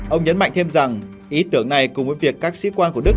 ông nhấn mạnh thêm rằng ý tưởng này cùng với việc các sĩ quan của đức